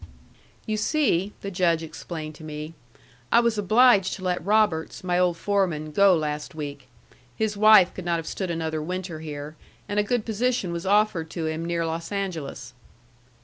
"You see," the Judge explained to me, "I was obliged to let Roberts, my old foreman, go last week. His wife could not have stood another winter here, and a good position was offered to him near Los Angeles."